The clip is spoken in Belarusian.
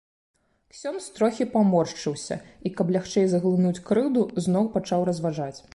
Ксёндз трохі паморшчыўся і, каб лягчэй зглынуць крыўду, зноў пачаў разважаць.